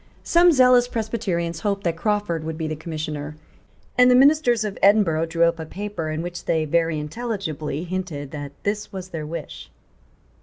Some zealous Presbyterians hoped that Crawford would be the Commissioner; and the ministers of Edinburgh drew up a paper in which they very intelligibly hinted that this was their wish.